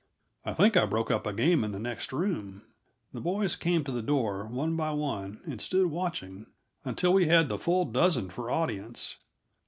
I think I broke up a game in the next room. The boys came to the door, one by one, and stood watching, until we had the full dozen for audience.